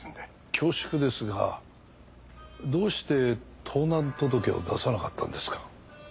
恐縮ですがどうして盗難届を出さなかったんですか？